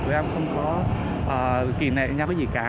tụi em không có kỷ nệ nhau với gì cả